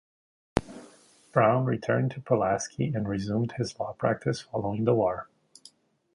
Brown returned to Pulaski and resumed his law practice following the war.